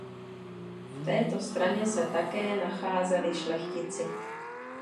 V této straně se také nacházeli šlechtici.